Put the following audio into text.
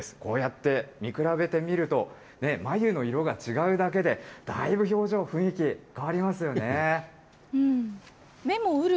こうやって見比べてみると、眉の色が違うだけで、だいぶ表情、雰囲気、変わりますよね。